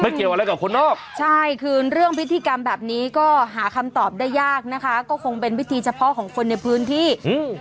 เกี่ยวอะไรกับคนนอกใช่คือเรื่องพิธีกรรมแบบนี้ก็หาคำตอบได้ยากนะคะก็คงเป็นวิธีเฉพาะของคนในพื้นที่อืม